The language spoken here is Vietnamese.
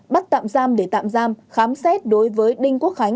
bắt tạm giam để tạm giam khám xét đối với đinh quốc khánh